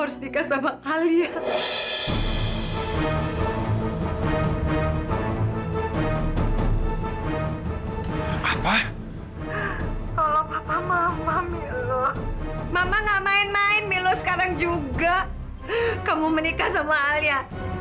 sampai jumpa di video selanjutnya